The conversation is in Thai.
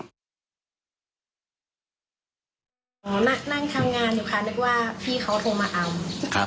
หน้านั่งทางงานอยู่ครับ